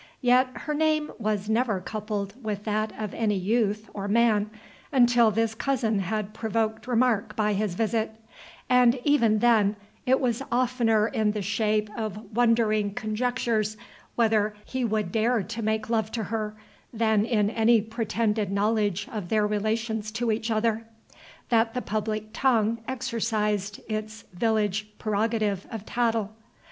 Yet her name was never coupled with that of any youth or man, until this cousin had provoked remark by his visit; and even then it was oftener in the shape of wondering conjectures whether he would dare to make love to her, than in any pretended knowledge of their relations to each other, that the public tongue exercised its village prerogative of tattle.